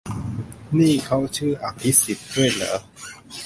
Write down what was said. นี่เขาชื่ออภิสิทธิ์ด้วยเหรอ ?